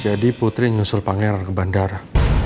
jadi putri nyusul pangeran ke bandara